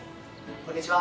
こんにちは。